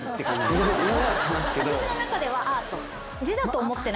私の中ではアート。